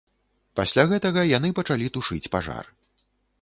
Пасля гэтага яны пачалі тушыць пажар.